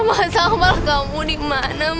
mas aku malah kamu di mana mas